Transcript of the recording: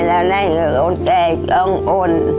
แล้วไหนก็ต้องเก๋ล้งทุน